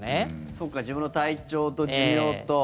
そっか自分の体調と寿命と。